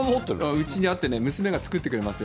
うちにあってね、娘が作ってくれますよ。